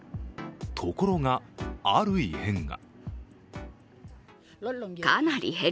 ところが、ある異変が。